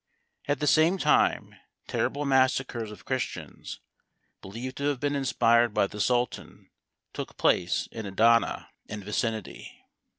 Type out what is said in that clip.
At the same time terrible massacres of Christians, believed to have been inspired by the Sultan, took place in Adana and vicinity.